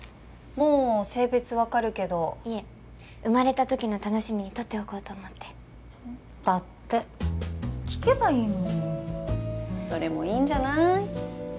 もう性別分かるけどいえ生まれた時の楽しみにとっておこうと思ってだって聞けばいいのにそれもいいんじゃない？